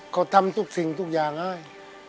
เขาทำทุกสิ่งทุกอย่างให้